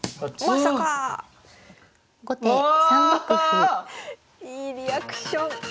いいリアクション。